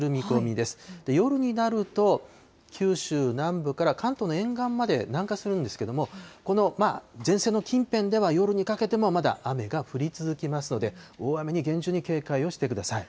で、夜になると、九州南部から関東の沿岸まで南下するんですけれども、この前線の近辺では夜にかけてもまだ雨が降り続きますので、大雨に厳重に警戒をしてください。